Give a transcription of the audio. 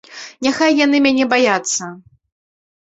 Няхай яны мяне баяцца.